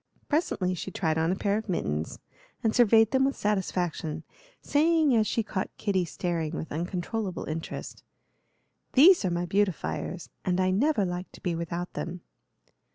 Presently she tried on a pair of mittens, and surveyed them with satisfaction, saying as she caught Kitty staring with uncontrollable interest: "These are my beautifiers, and I never like to be without them."